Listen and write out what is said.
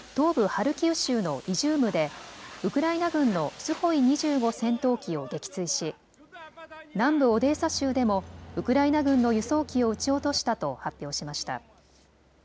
ハルキウ州のイジュームでウクライナ軍のスホイ２５戦闘機を撃墜し、南部オデーサ州でもウクライナ軍の輸送機を撃ち落としたと発表しました。